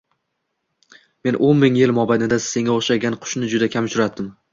men o‘n ming yil mobaynida senga o‘xshagan qushni juda kam uchratdim.